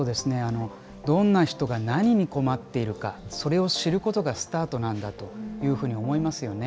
どんな人が何に困っているか、それを知ることがスタートなんだというふうに思いますよね。